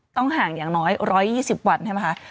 ต้องห่างอย่างน้อย๑๒๐วันใช่ไหมคะ